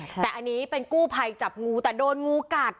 แต่อันนี้เป็นกู้ภัยจับงูแต่โดนงูกัด